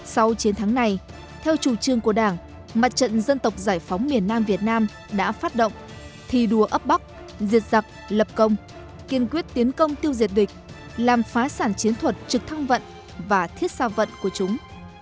sau chiến thắng này theo chủ trương của đảng mặt trận dân tộc giải phóng miền nam việt nam đã phát động thi đua ấp bắc diệt giặc lập công kiên quyết tiến công tiêu diệt địch làm phá sản chiến thuật trực thăng vận và thiết xa vận của chúng